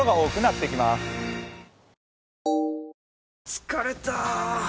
疲れた！